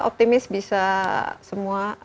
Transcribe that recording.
optimis bisa semua